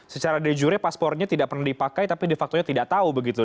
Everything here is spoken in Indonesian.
secara de jure paspornya tidak pernah dipakai tapi de factonya tidak tahu begitu